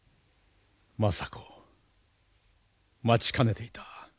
政子待ちかねていた。